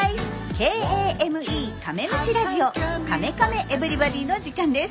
ＫＡＭＥカメムシ・ラヂオ「カメカメエヴリバディ」の時間です！